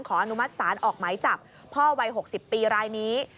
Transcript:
อนุมัติศาลออกไหมจับพ่อวัย๖๐ปีรายนี้